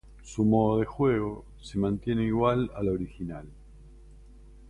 Su modo de juego se mantiene igual a la original.